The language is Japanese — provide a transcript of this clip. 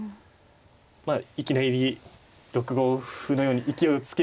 まあいきなり６五歩のように勢いをつける。